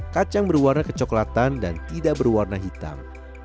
kacang berwarna kecoklatan dan tidak berwarna hitam